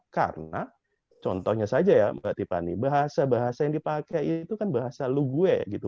karena contohnya saja ya mbak tipani bahasa bahasa yang dipakai itu kan bahasa lugwe gitu